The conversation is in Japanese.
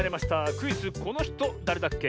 クイズ「このひとだれだっけ？」。